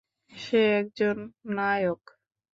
সে একজন নায়ক।